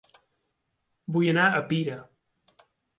Vull anar a Pira